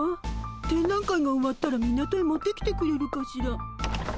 展覧会が終わったら港へ持ってきてくれるかしら。